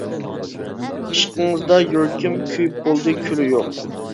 ئىشقىڭىزدا يۈرىكىم، كۆيۈپ بولدى كۈلى يوق.